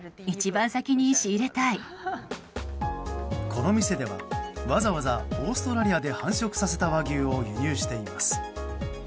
この店では、わざわざオーストラリアで繁殖させた和牛を輸入しています。